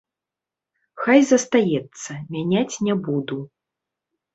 Хай застаецца, мяняць не буду.